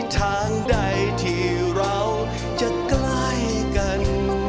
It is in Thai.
ทางใดที่เราจะใกล้กัน